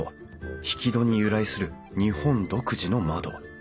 引き戸に由来する日本独自の窓。